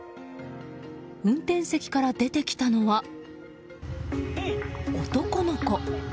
運転席から出てきたのは男の子。